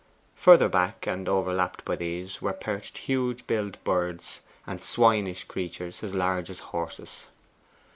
Further back, and overlapped by these, were perched huge billed birds and swinish creatures as large as horses.